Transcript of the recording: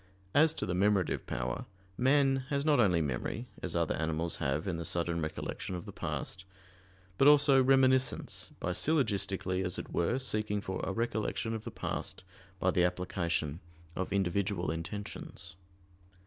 As to the memorative power, man has not only memory, as other animals have in the sudden recollection of the past; but also "reminiscence" by syllogistically, as it were, seeking for a recollection of the past by the application of individual intentions.